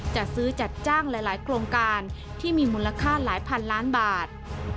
จัดซื้อจัดจ้างหลายโครงการที่มีมูลค่าหลายพันล้านบาท